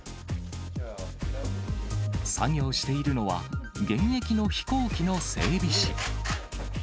作業しているのは、現役の飛行機せーの。